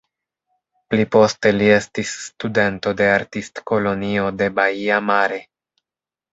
Pli poste li estis studento de Artistkolonio de Baia Mare.